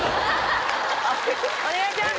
お願いします。